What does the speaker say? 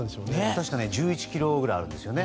確か１１ｋｇくらいあるんですよね。